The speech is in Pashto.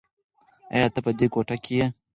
ایا ته په دې کوټه کې یې؟